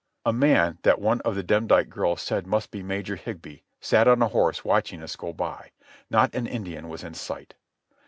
A man that one of the Demdike girls said must be Major Higbee sat on a horse watching us go by. Not an Indian was in sight.